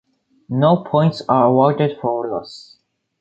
No points are awarded for a loss.